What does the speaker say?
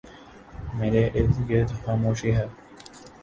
میرے اردگرد خاموشی ہے ۔